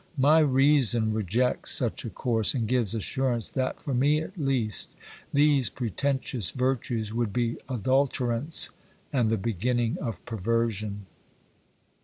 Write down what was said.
My reason rejects such a course, and gives assurance that, for me at least, these pretentious virtues would be adulterants and the beginning of perversion.